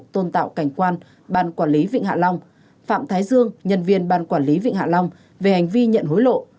tôn tạo cảnh quan ban quản lý vịnh hạ long phạm thái dương nhân viên ban quản lý vịnh hạ long về hành vi nhận hối lộ